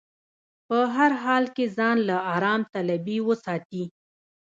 په هر حال کې ځان له ارام طلبي وساتي.